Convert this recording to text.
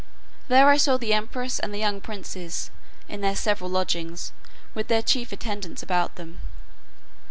There I saw the empress and the young princes, in their several lodgings, with their chief attendants about them.